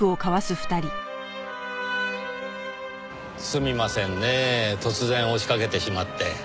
すみませんねぇ突然押しかけてしまって。